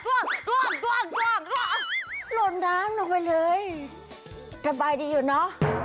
หล่นน้ำลงไปเลยสบายดีอยู่เนอะ